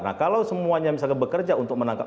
nah kalau semuanya misalkan bekerja untuk menangkap